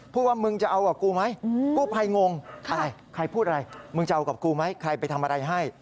ว่ามึงจะเอากับกูไหมกู้ภัยงงอะไรใครพูดอะไรมึงจะเอากับกูไหมใครไปทำอะไรให้